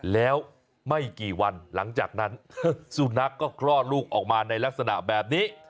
แล้วไม่กี่วันหลังจากนั้นสุนัขก็คลอดลูกออกมาในลักษณะแบบนี้